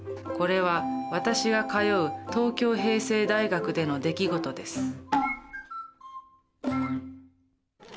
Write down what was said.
これは私が通う東京平成大学での出来事です。